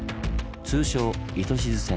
通称「糸静線」。